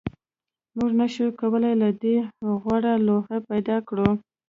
موږ نشوای کولی له دې غوره لوحه پیدا کړو